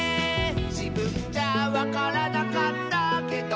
「じぶんじゃわからなかったけど」